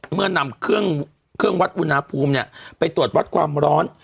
เมื่อนำเครื่องวัดอุณหภูมิไปตรวจวัดความร้อน